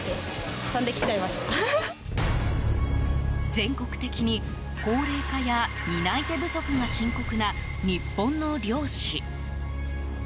全国的に高齢化や担い手不足が深刻な日本の漁師。